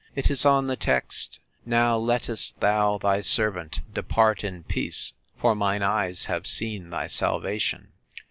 It is on the text;—Now lettest thou thy servant depart in peace; for mine eyes have seen thy salvation.